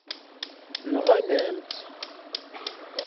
Nɣan-am-tt.